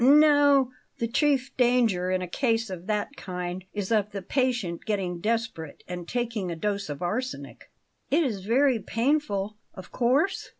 "N no; the chief danger in a case of that kind is of the patient getting desperate and taking a dose of arsenic." "It is very painful, of course?"